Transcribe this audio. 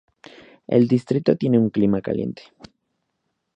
El distrito tiene un clima caliente.